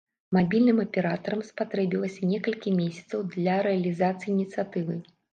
Мабільным аператарам спатрэбілася некалькі месяцаў для рэалізацыі ініцыятывы.